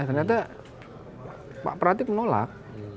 ternyata pak pratik menolak